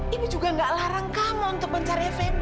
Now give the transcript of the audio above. ibu juga nggak larang kamu untuk mencari fnd